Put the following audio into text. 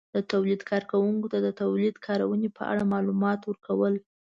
-د تولید کارونکو ته د تولید کارونې په اړه مالومات ورکول